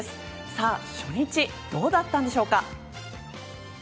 さあ、初日どうだったんでしょうか。